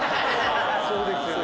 そうですよね。